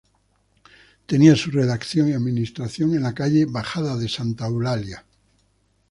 Tenía su redacción y administración en la calle Bajada de Santa Eulalia, núm.